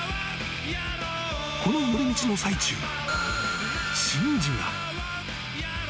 ［この寄り道の最中珍事が］